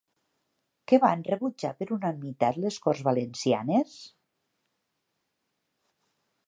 Què van rebutjar per unanimitat les Corts Valencianes?